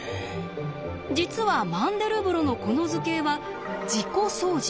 実はマンデルブロのこの図形は「自己相似」